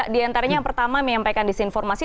di antaranya yang pertama menyampaikan disinformasi